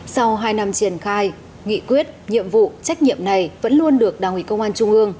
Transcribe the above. sau hai năm triển khai nghị quyết nhiệm vụ trách nhiệm này vẫn luôn được đảng ủy công an trung ương